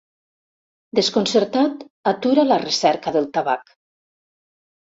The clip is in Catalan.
Desconcertat, atura la recerca del tabac.